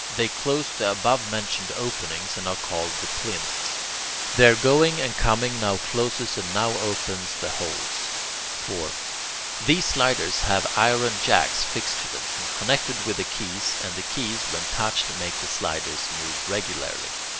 They close the above mentioned openings, and are called the plinths. Their going and coming now closes and now opens the holes. 4. These sliders have iron jacks fixed to them, and connected with the keys, and the keys, when touched, make the sliders move regularly.